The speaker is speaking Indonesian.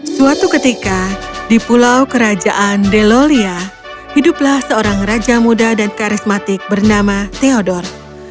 suatu ketika di pulau kerajaan delolia hiduplah seorang raja muda dan karismatik bernama theodor